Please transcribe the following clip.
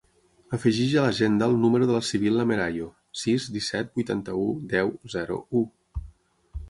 Afegeix a l'agenda el número de la Sibil·la Merayo: sis, disset, vuitanta-u, deu, zero, u.